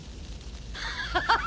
ハハハッ！